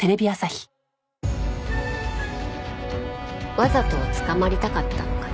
わざと捕まりたかったのかな？